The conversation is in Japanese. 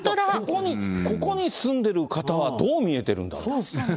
ここに住んでる方はどう見えてるんだろう。